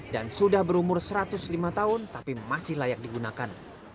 sudah berumur satu ratus lima tahun tapi masih layak digunakan